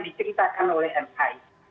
diceritakan oleh ma